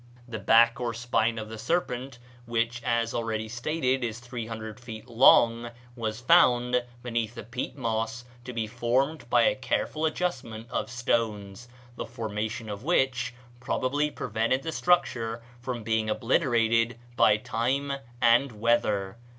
The back or spine of the serpent, which, as already stated, is 300 feet long, was found, beneath the peat moss, to be formed by a careful adjustment of stones, the formation of which probably prevented the structure from being obliterated by time and weather."